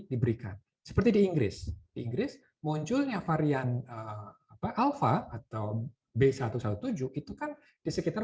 diberikan seperti di inggris di inggris munculnya varian apa alfa atau b satu satu tujuh itu kan di sekitar